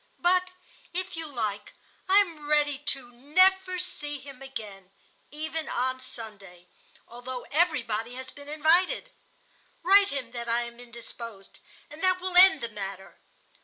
But if you like, I am ready to never see him again, even on Sunday, although everybody has been invited. Write him that I am indisposed, and that will end the matter.